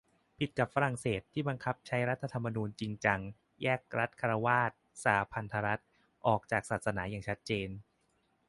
ผิดกับฝรั่งเศส ที่บังคับใช้รัฐธรรมนูญจริงจัง แยกรัฐฆราวาส-สหพันธรัฐออกจากศาสนาอย่างชัดเจน